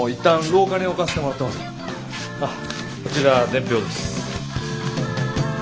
あっこちら伝票です。